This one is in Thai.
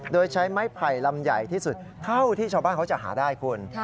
โดยใช้ไม้ไผ่ลำใหญ่ที่สุดเท่าที่ชาวบ้านเขาจะหาได้คุณ